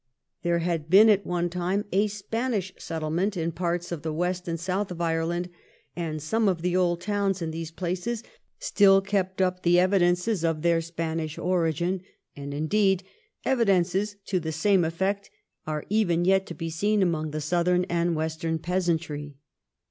There had been at one time a Spanish settlement in parts of the West and South of Ireland, and some of the old towns in these places stiU kept up the evidences of their Spanish origin, and, indeed, evidences to the same effect are even yet to be seen among the southern and western peasantry.